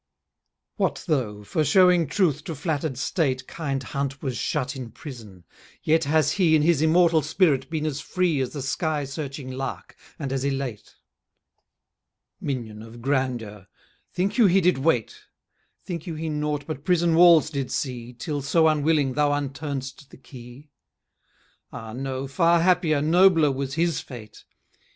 _ What though, for showing truth to flatter'd state Kind Hunt was shut in prison, yet has he, In his immortal spirit, been as free As the sky searching lark, and as elate. Minion of grandeur! think you he did wait? Think you he nought but prison walls did see, Till, so unwilling, thou unturn'dst the key? Ah, no! far happier, nobler was his fate!